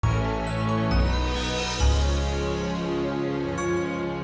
sampai jumpa di video selanjutnya